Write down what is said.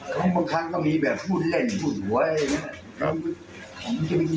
เขาบางครั้งก็มีแบบพูดเล่นพูดหัวอะไรอย่างนี้